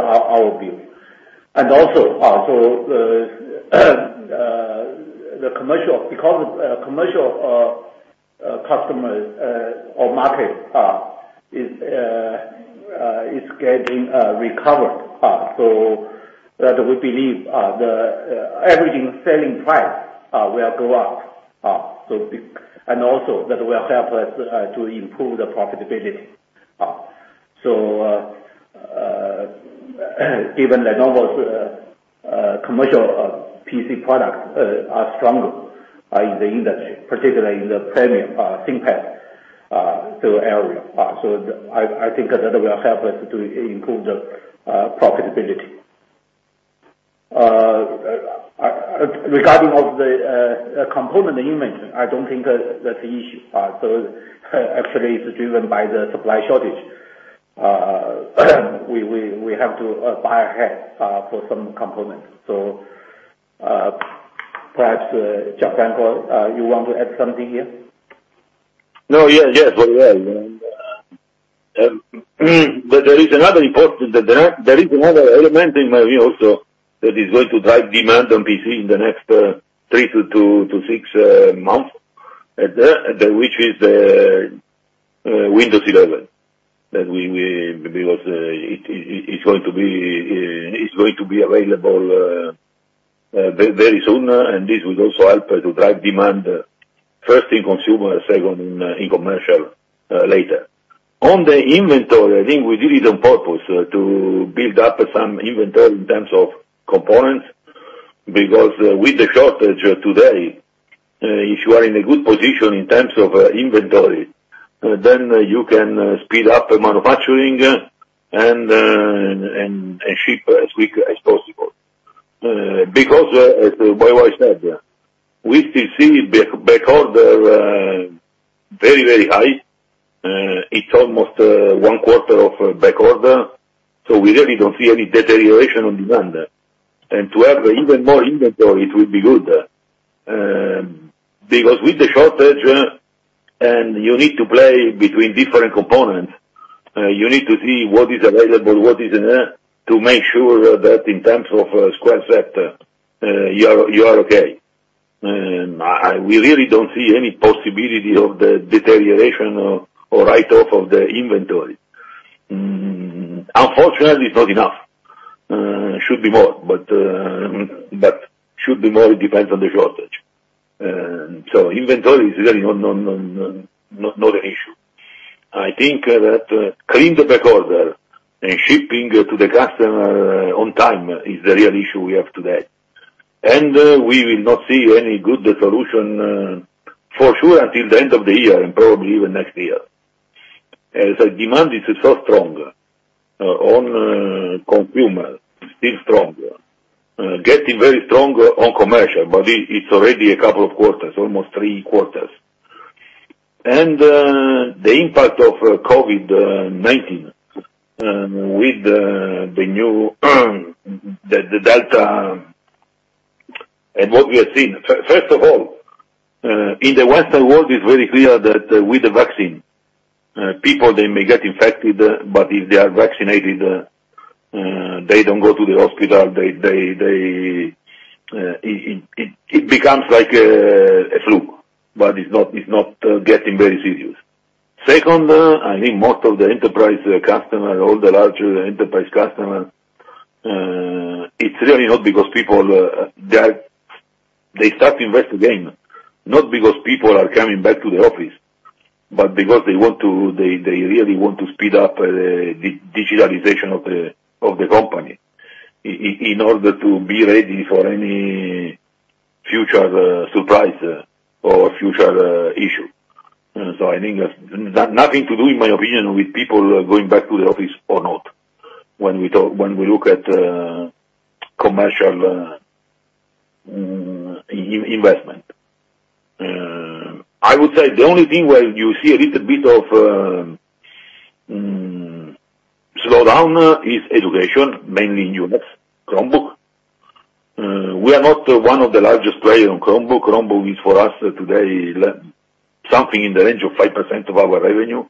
our view. Also, because commercial customers or market is getting recovered, we believe the average selling price will go up. Also, that will help us to improve the profitability. Given Lenovo's commercial PC products are stronger in the industry, particularly in the premium ThinkPad area. I think that will help us to improve the profitability. Regarding of the component you mentioned, I don't think that's the issue. Actually, it's driven by the supply shortage. We have to buy ahead for some components. Perhaps, Gianfranco Lanci, you want to add something here? No, yes. There is another element in my view also that is going to drive demand on PC in the next three to six months, which is Windows 11. Because it's going to be available very soon, and this will also help to drive demand first in consumer, second in commercial later. On the inventory, I think we did it on purpose to build up some inventory in terms of components, because with the shortage today, if you are in a good position in terms of inventory, then you can speed up manufacturing and ship as quick as possible. As I said, we still see back order very, very high. It's almost one quarter of back order, we really don't see any deterioration on demand. To have even more inventory, it will be good. With the shortage, you need to play between different components, you need to see what is available, what isn't, to make sure that in terms of square set, you are okay. We really don't see any possibility of the deterioration or write-off of the inventory. Unfortunately, it's not enough. Should be more, it depends on the shortage. Inventory is really not an issue. I think that clean the back order and shipping to the customer on time is the real issue we have today. We will not see any good solution for sure until the end of the year and probably even next year. The demand is so strong on consumer, still strong. Getting very strong on commercial, it's already a couple of quarters, almost three quarters. The impact of COVID-19 with the Delta and what we have seen. First of all, in the Western world, it's very clear that with the vaccine, people, they may get infected, but if they are vaccinated, they don't go to the hospital. It becomes like a flu, but it's not getting very serious. Second, I think most of the enterprise customer, all the larger enterprise customer, it's really not because they start to invest again, not because people are coming back to the office, but because they really want to speed up the digitalization of the company in order to be ready for any future surprise or future issue. I think that's nothing to do, in my opinion, with people going back to the office or not, when we look at commercial investment. I would say the only thing where you see a little bit of slowdown is education, mainly in units, Chromebook. We are not one of the largest player on Chromebook. Chromebook is for us today, something in the range of 5% of our revenue.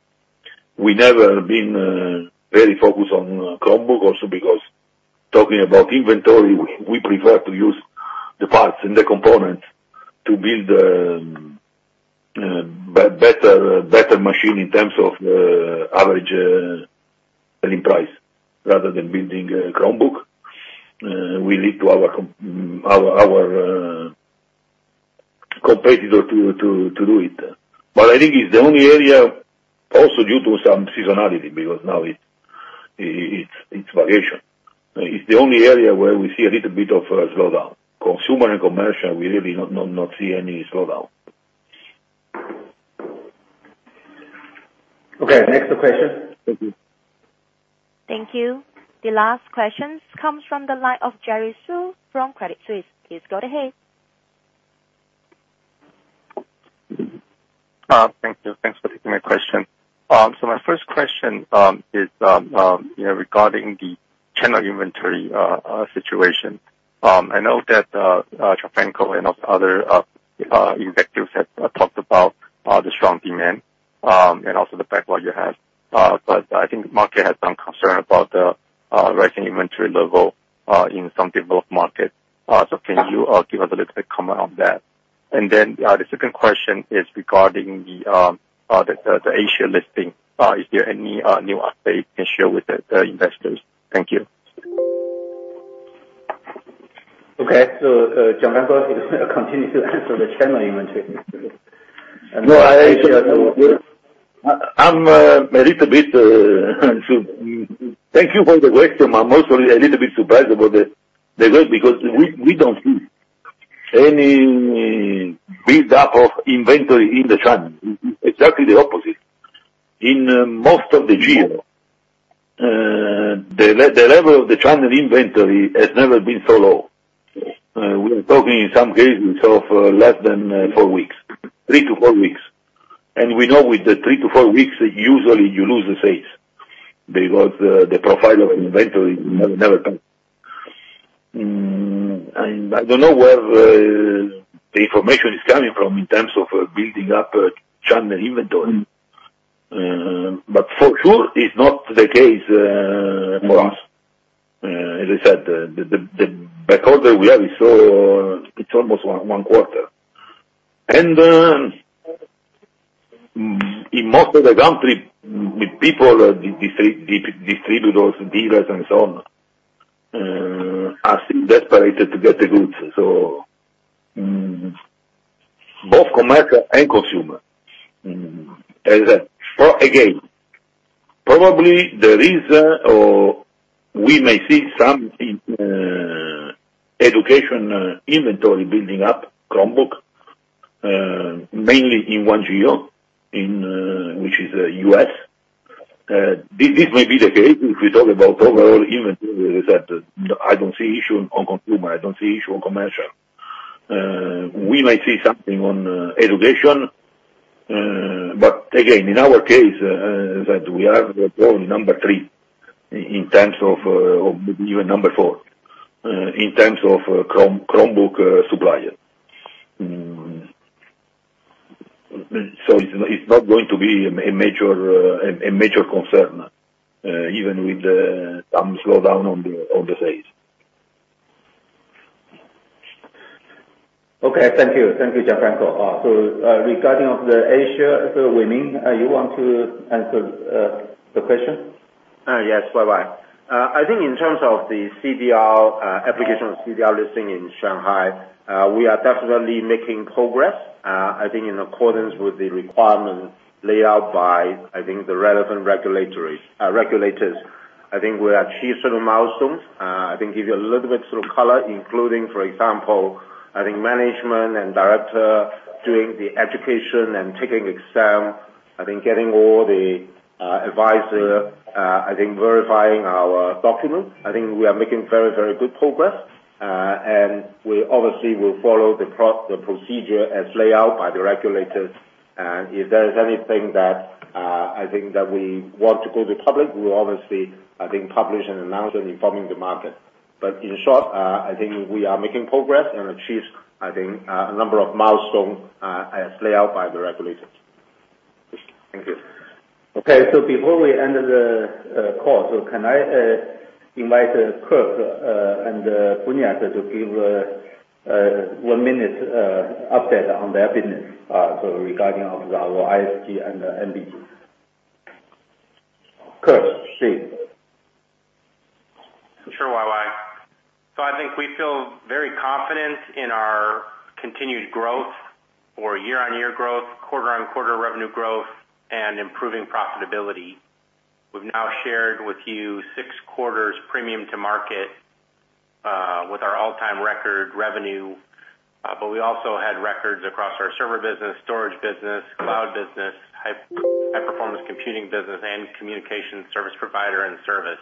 We never been very focused on Chromebook also because talking about inventory, we prefer to use the parts and the components to build a better machine in terms of average selling price rather than building a Chromebook. We leave to our competitor to do it. I think it's the only area also due to some seasonality, because now it's vacation. It's the only area where we see a little bit of a slowdown. Consumer and commercial, we really not see any slowdown. Okay, next question. Thank you. Thank you. The last questions comes from the line of Jerry Su from Credit Suisse. Please go ahead. Thank you. Thanks for taking my question. My first question is regarding the channel inventory situation. I know that Gianfranco and other executives have talked about the strong demand, and also the backlog you have. I think market has some concern about the rising inventory level in some developed markets. Can you give us a little bit comment on that? The second question is regarding the Asia listing. Is there any new update you can share with the investors? Thank you. Okay. Gianfranco is going to continue to answer the channel inventory. No, I'm a little bit. Thank you for the question. I'm also a little bit surprised about the because we don't see any build-up of inventory in the channel. Exactly the opposite. In most of the level of the channel inventory has never been so low. We are talking in some cases of less than four weeks, three to four weeks. We know with the three to four weeks, usually you lose the sales because the profile of inventory never change. I don't know where the information is coming from in terms of building up channel inventory. For sure, it's not the case for us. As I said, the backlog that we have, it's almost one quarter. In most of the country, with people, the distributors, dealers, and so on, are still desperate to get the goods. Both commercial and consumer. As I said, again, probably there is, or we may see some in education inventory building up Chromebook, mainly in one geo, which is U.S. This may be the case. If we talk about overall inventory, as I said, I don't see issue on consumer, I don't see issue on commercial. We may see something on education. Again, in our case, as I said, we are only number three, or even number four, in terms of Chromebook suppliers. It's not going to be a major concern, even with some slowdown on the sales. Okay. Thank you. Thank you, Gianfranco. Regarding of the Asia, Wai Ming, you want to answer the question? Yes, Wai Ming. I think in terms of the CDR, application of CDR listing in Shanghai, we are definitely making progress. I think in accordance with the requirement laid out by, I think the relevant regulators. I think we achieved some milestones. I think give you a little bit color, including, for example, I think management and director doing the education and taking exam, I think getting all the advisor, I think verifying our documents. I think we are making very good progress. We obviously will follow the procedure as laid out by the regulators. If there is anything that I think that we want to go to public, we will obviously, I think, publish an announcement informing the market. In short, I think we are making progress and achieve, I think, a number of milestones as laid out by the regulators. Thank you. Okay, before we end the call. Can I invite Kirk and Buniac to give a one minute update on their business, regarding of our ISG and the MBG. Kirk, please. Sure. Wai Ming. I think we feel very confident in our continued growth, our year-on-year growth, quarter-on-quarter revenue growth, and improving profitability. We've now shared with you six quarters premium to market, with our all-time record revenue. We also had records across our server business, storage business, cloud business, high performance computing business, and communication service provider and service.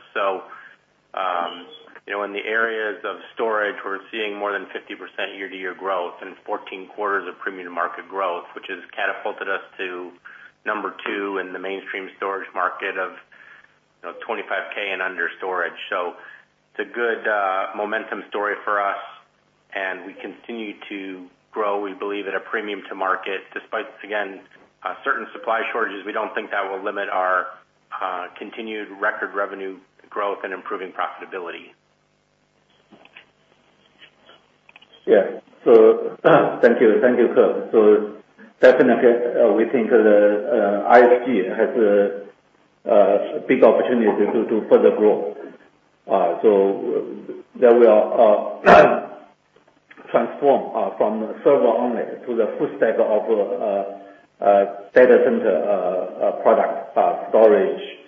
In the areas of storage, we're seeing more than 50% year-to-year growth and 14 quarters of premium market growth, which has catapulted us to number two in the mainstream storage market of $25,000 and under storage. It's a good momentum story for us, and we continue to grow, we believe at a premium to market. Despite, again, certain supply shortages, we don't think that will limit our continued record revenue growth and improving profitability. Thank you. Thank you, Kirk. Definitely, we think the ISG has a big opportunity to further grow. That will transform from server only to the full stack of data center product storage,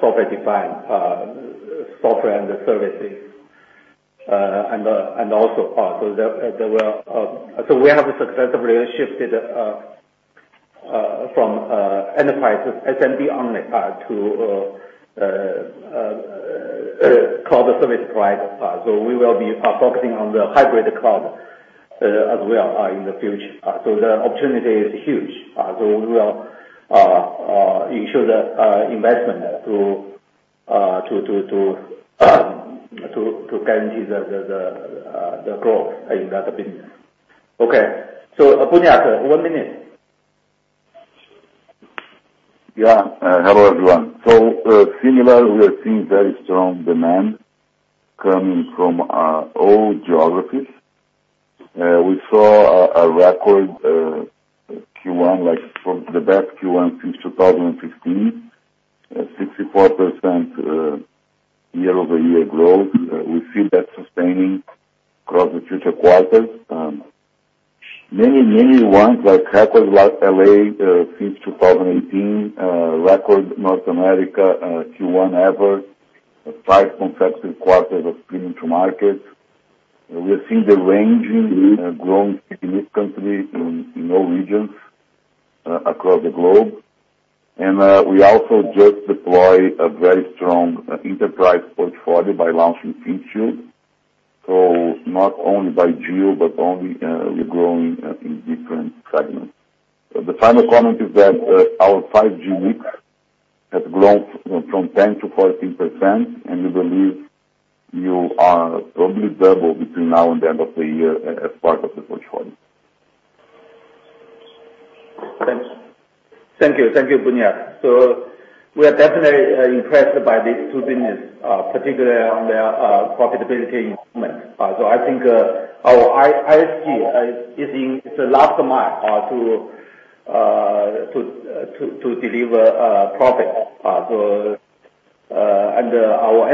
software defined, software and the services. We have successfully shifted from enterprise SMB only to cloud service providers. We will be focusing on the hybrid cloud as well in the future. The opportunity is huge. We will ensure the investment to guarantee the growth in that business. Okay. Buniac, one minute. Hello, everyone. Similar, we are seeing very strong demand coming from all geographies. We saw a record Q1, the best Q1 since 2015, 64% year-over-year growth. We see that sustaining across the future quarters. Many new ones like hackers like L.A. since 2018, record North America Q1 ever, five consecutive quarters of premium to market. We are seeing the ranging growing significantly in all regions across the globe. We also just deploy a very strong enterprise portfolio by launching ThinkShield. Not only by geo, but only we're growing in different segments. The final comment is that our 5G mix has grown from 10 to 14%, and we believe you are probably valuable between now and the end of the year as part of the portfolio. Thanks. Thank you. Thank you, Buniac. We are definitely impressed by the two business, particularly on their profitability improvement. I think our ISG is in the last mile to deliver profit. Our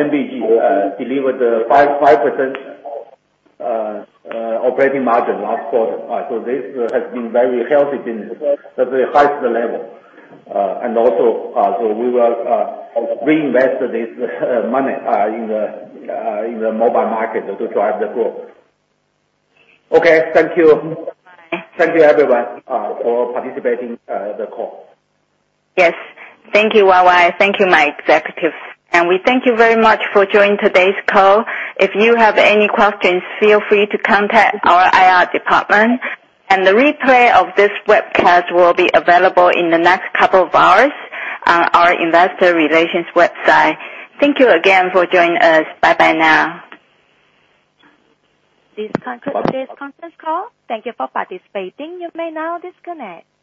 MBG delivered 5% operating margin last quarter. This has been very healthy business at the highest level. Also, we will reinvest this money in the mobile market to drive the growth. Okay. Thank you. Thank you everyone for participating the call. Yes. Thank you, Yuanqing. Thank you my executives. We thank you very much for joining today's call. If you have any questions, feel free to contact our IR department, and the replay of this webcast will be available in the next couple of hours on our investor relations website. Thank you again for joining us. Bye bye now.